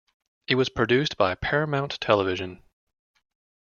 It was produced by Paramount Television.